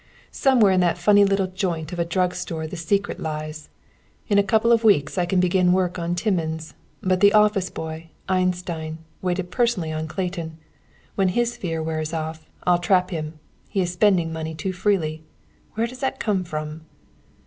Somewhere in that funny little joint of a drug store the secret lies. In a couple of weeks I can begin work on Timmins; but the office boy, Einstein, waited personally on Clayton! When his fear wears off, I'll trap him. He is spending money too freely. Where does that come from?"